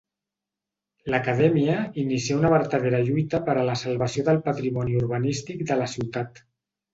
L’Acadèmia inicià una vertadera lluita per a la salvació del patrimoni urbanístic de la ciutat.